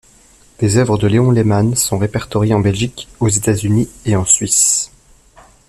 Des œuvres de Léon Lehmann sont répertoriées en Belgique, aux États-Unis et en Suisse.